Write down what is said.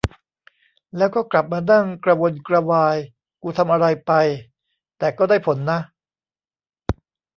แล้วก็กลับมานั่งกระวนกระวายกูทำอะไรไป แต่ก็ได้ผลนะ